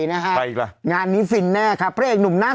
รับงานนี้สินแน่ต้าประดูกหน้า